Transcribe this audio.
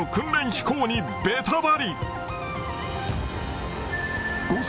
飛行にベタバリ。